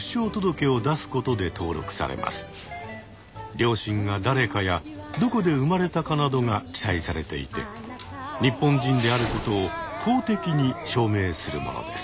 両親が誰かやどこで産まれたかなどが記載されていて日本人であることを公的に証明書するものです。